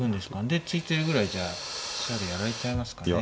で突いてるぐらいじゃ飛車でやられちゃいますかね。